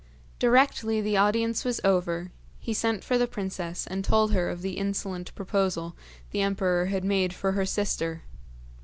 Directly the audience was over he sent for the princess and told her of the insolent proposal the emperor had made for her sister.